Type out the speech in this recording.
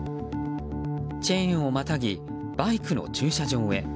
チェーンをまたぎバイクの駐車場へ。